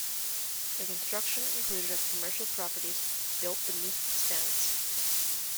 The construction included of commercial properties built beneath the stands.